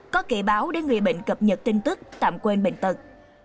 có kỳ báo để người bệnh cập nhật tin tức tạm quên bệnh tật